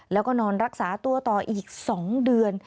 แล้วก็นอนรักษาตัวต่ออีก๒เดือน